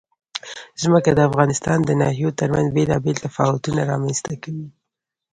ځمکه د افغانستان د ناحیو ترمنځ بېلابېل تفاوتونه رامنځ ته کوي.